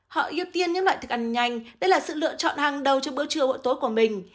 họ ưu tiên những loại thức ăn nhanh đây là sự lựa chọn hàng đầu cho bữa trưa hội tối của mình